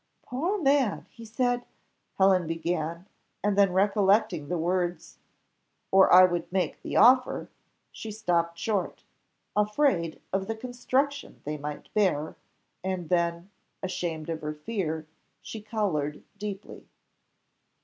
"Poor man, he said " Helen began, and then recollecting the words, 'or I would make the offer,' she stopped short, afraid of the construction they might bear, and then, ashamed of her fear, she coloured deeply.